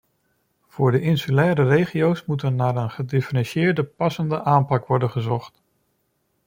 Voor de insulaire regio's moet er naar een gedifferentieerde, passende aanpak worden gezocht.